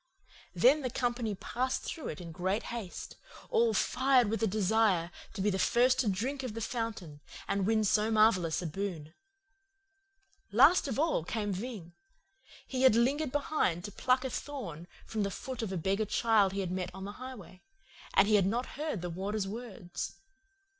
"Then the company passed through in great haste, all fired with a desire to be the first to drink of the fountain and win so marvellous a boon. Last of all came Ving. He had lingered behind to pluck a thorn from the foot of a beggar child he had met on the highway, and he had not heard the Warder's words.